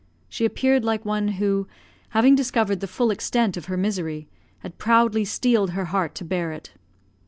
She appeared like one who, having discovered the full extent of her misery, had proudly steeled her heart to bear it.